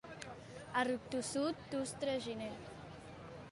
A ruc tossut, tust, traginer.